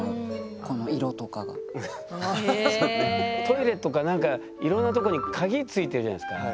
トイレとかなんかいろんなとこに鍵付いてるじゃないですか。